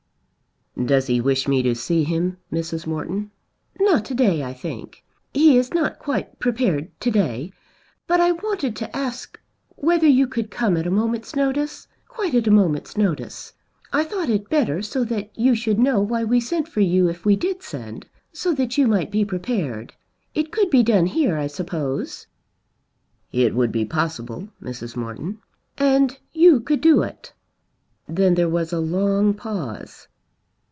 "Does he wish me to see him, Mrs. Morton?" "Not to day, I think. He is not quite prepared to day. But I wanted to ask whether you could come at a moment's notice, quite at a moment's notice. I thought it better, so that you should know why we sent for you if we did send, so that you might be prepared. It could be done here, I suppose?" "It would be possible, Mrs. Morton." "And you could do it?" Then there was a long pause.